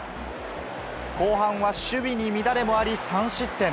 後半は守備に乱れもあり、３失点。